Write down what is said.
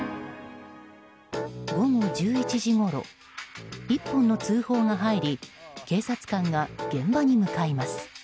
午後１１時ごろ１本の通報が入り警察官が現場に向かいます。